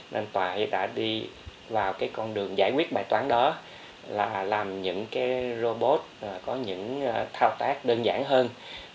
nên tòa đã đi vào cái con đường giải quyết bài toán đó là làm những cái robot có những thao tác đơn giản hơn